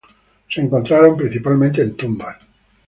Se encontraron principalmente en tumbas.